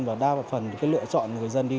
và đa phần lựa chọn người dân đi